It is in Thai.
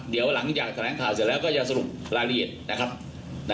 เดี๋ยวหลังจากแถลงข่าวเสร็จแล้วก็จะสรุปรายละเอียดนะครับ